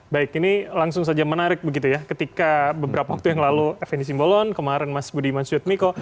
baik ini langsung saja menarik begitu ya ketika beberapa waktu yang lalu fn di simbolon kemarin mas budi iman sujadmiko